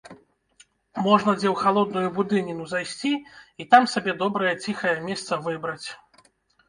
Можна дзе ў халодную будыніну зайсці і там сабе добрае ціхае месца выбраць.